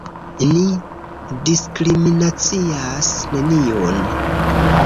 Ni diskriminacias neniun!